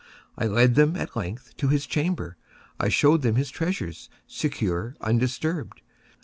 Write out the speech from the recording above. I led them, at length, to his chamber. I showed them his treasures, secure, undisturbed.